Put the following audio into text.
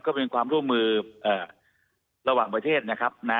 ก็เป็นความร่วมมือระหว่างประเทศนะครับ